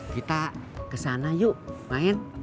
kita kesana yuk main